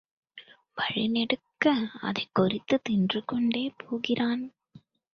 வழிநெடுக அதைக் கொறித்துத் தின்று கொண்டே போகிறான்.